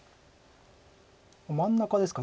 真ん中ですか。